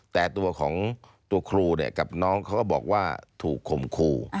แต่ตัวของตัวครูเนี่ยกับน้องเขาก็บอกว่าถูกข่มครู